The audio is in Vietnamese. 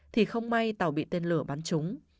thì không may tàu bị tên lửa bắn trúng